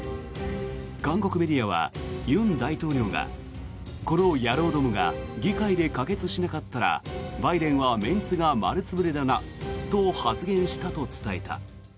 韓国メディアは尹大統領がこの野郎どもが議会で可決しなかったらバイデンはメンツが丸潰れだなと発言したと伝えた。